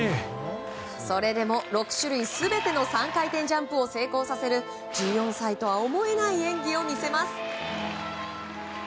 それでも６種類全ての３回転ジャンプを成功させる１４歳とは思えない演技を見せます。